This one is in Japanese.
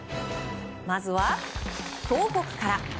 まずは東北から。